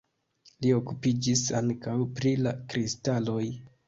Li okupiĝis ankaŭ pri la kristaloj.